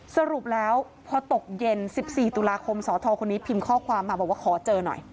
สรุปแล้วพอตกเย็น๑๔ตุลาคมสทคนนี้พิมพ์ข้อความมาบอกว่าขอเจอหน่อย